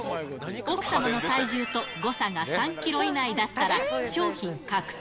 奥様の体重と、誤差が３キロ以内だったら、商品獲得。